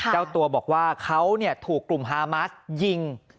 เจ้าตัวบอกว่าเขาถูกกลุ่มฮามาสยิง